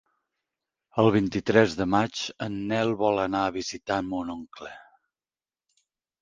El vint-i-tres de maig en Nel vol anar a visitar mon oncle.